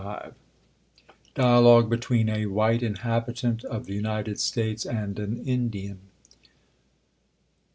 269 Dialogue tetween a white Inhabitant of the T^xiTED States and a\ Indian.